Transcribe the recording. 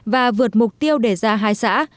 và vượt mục tiêu để ra hai xã